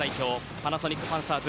パナソニックパンサーズ